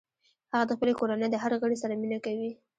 هغه د خپلې کورنۍ د هر غړي سره مینه کوي